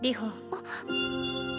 あっ。